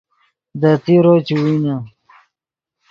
دے تیرو چے وینے